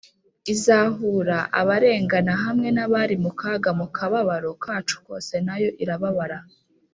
izahura abarengana hamwe n’abari mu kaga mu kababaro kacu kose na yo irababara